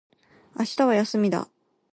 明日は休みだ。